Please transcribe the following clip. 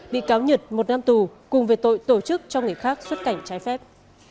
bị cáo nhật một năm tù cùng về tội tổ chức cho người khác xuất cảnh trái phép